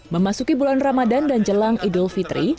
memasuki bulan ramadan dan jelang idul fitri